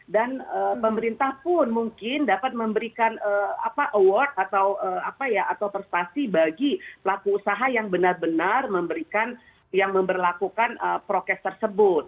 dan pemerintah pun mungkin dapat memberikan award atau perspasi bagi pelaku usaha yang benar benar memberikan yang memperlakukan prokes tersebut